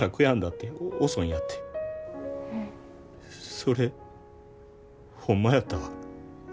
それホンマやったわ。